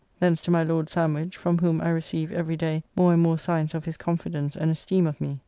Thence to my Lord Sandwich, from whom I receive every day more and more signs of his confidence and esteem of me.